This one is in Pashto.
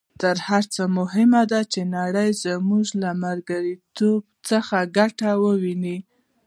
تر هر څه مهمه ده چې نړۍ زموږ له ملګرتوب څخه ګټه وویني.